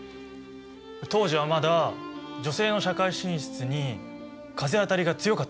当時はまだ女性の社会進出に風当たりが強かったとか。